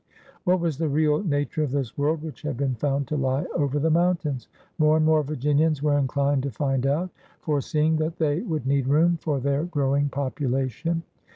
What was the real nature of this world which had been found to lie over the mountains? More and more Virginians were inclined to find out, fore seeing that they would need room for their grow ing population.